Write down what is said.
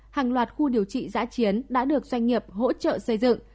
hàng loạt khu điều trị giã chiến đã được doanh nghiệp hỗ trợ xây dựng